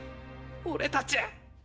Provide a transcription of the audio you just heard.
俺たち！